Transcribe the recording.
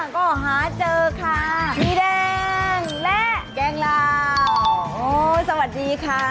ก็หาเจอค่ะแกงลาวสวัสดีค่ะ